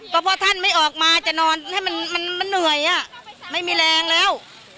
ก็เพราะท่านไม่ออกมาจะนอนให้มันเหนื่อยไม่มีแรงแล้ว